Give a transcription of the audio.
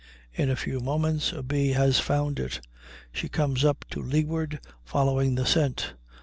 In a few moments a bee has found it; she comes up to leeward, following the scent.